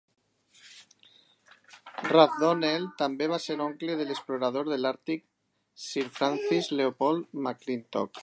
Rathdonnell també va ser oncle de l'explorador de l'Àrtic Sir Francis Leopold McClintock.